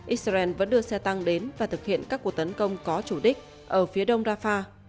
israel vẫn đưa xe tăng đến và thực hiện các cuộc tấn công có chủ đích ở phía đông rafah